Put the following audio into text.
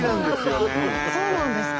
そうなんですか？